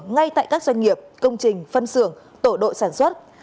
ngay tại các doanh nghiệp công trình phân xưởng tổ đội sản xuất